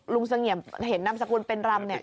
เสงี่ยมเห็นนามสกุลเป็นรำเนี่ย